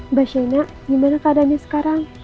mbak shaina gimana keadanya sekarang